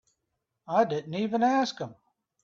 I didn't even ask him.